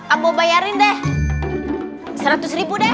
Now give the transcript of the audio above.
aku mau bayarin deh seratus ribu deh